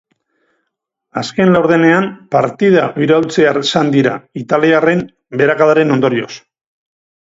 Azken laurdenean partida iraultzear zan dira, italiarren beherakadaren ondorioz.